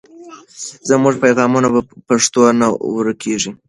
زموږ پیغام په پښتو نه ورکېږي.